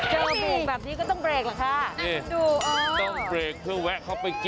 เจอบุกแบบนี้ก็ต้องเบรกล่ะค่ะน่าจะดูต้องเบรกเพื่อแวะเข้าไปกิน